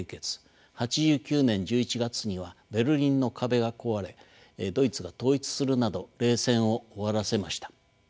８９年１１月にはベルリンの壁が壊れドイツが統一するなど冷戦を終わらせました。